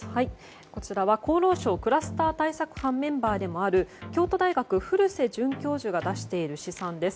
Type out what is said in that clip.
こちらは厚労省クラスター対策班メンバーである京都大学、古瀬准教授が出している試算です。